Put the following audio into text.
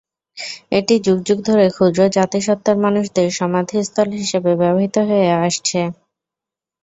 এটি যুগ যুগ ধরে ক্ষুদ্র জাতিসত্তার মানুষদের সমাধিস্থল হিসেবে ব্যবহৃত হয়ে আসছে।